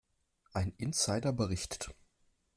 Ein Insider berichtet.